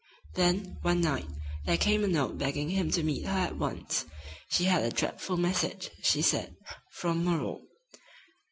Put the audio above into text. Then, one night, there came a note begging him to meet her at once. She had a dreadful message, she said, from "Moreau."